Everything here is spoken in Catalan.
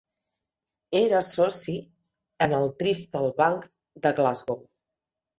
Era soci en el Thistle Bank de Glasgow.